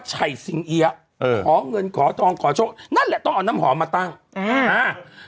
ชัยสิงเอี๊ยะเออขอเงินขอทองขอโชคนั่นแหละต้องเอาน้ำหอมมาตั้งอืมอ่า